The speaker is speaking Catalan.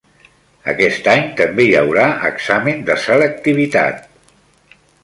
Aquest any també hi haurà examen de selectivitat